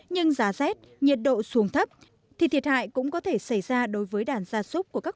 nhưng giá rét nhiệt độ xuống thấp thì thiệt hại cũng có thể xảy ra đối với đàn gia súc của các